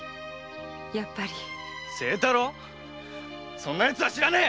そんなヤツは知らねえ！